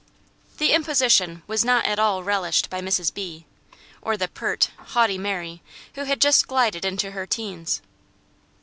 The imposition was not at all relished by Mrs. B., or the pert, haughty Mary, who had just glided into her teens.